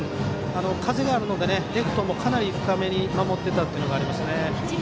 風があるのでレフトもかなり深めに守っていたというのがありますね。